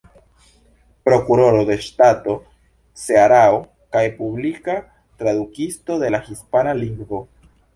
Prokuroro de Ŝtato Cearao kaj publika tradukisto de la hispana lingvo.